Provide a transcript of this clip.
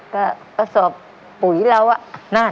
ก็กระสอบปุ๋ยเราอะ